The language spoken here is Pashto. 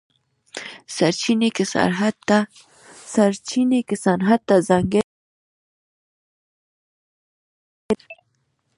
سرچینې که صنعت ته ځانګړې شي هیلې نه شي کېدای.